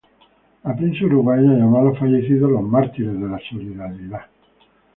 La prensa uruguaya llamó a los fallecidos ""los mártires de la solidaridad"".